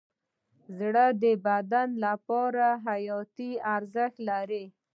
زړه د بدن لپاره حیاتي ارزښت لري.